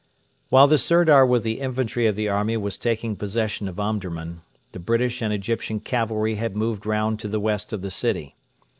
While the Sirdar with the infantry of the army was taking possession of Omdurman, the British and Egyptian cavalry had moved round to the west of the city.